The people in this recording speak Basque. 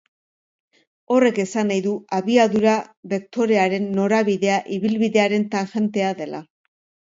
Horrek esan nahi du abiadura bektorearen norabidea ibilbidearen tangentea dela.